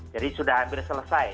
jadi sudah hampir selesai